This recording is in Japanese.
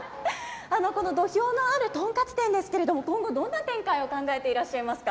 この土俵のある豚カツ店ですけれども、今後、どんな展開を考えていらっしゃいますか？